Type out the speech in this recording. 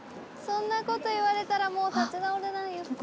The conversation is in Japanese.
そんなこと言われたらもう立ち直れないよ。